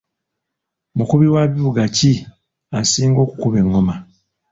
Mukubi wa bivuga ki asinga okukuba engoma.